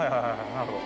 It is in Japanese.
なるほど。